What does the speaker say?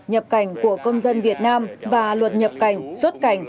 nhập cảnh của công dân việt nam và luật nhập cảnh xuất cảnh